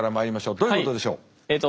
どういうことでしょう？